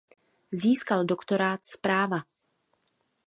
Získal doktorát z práva.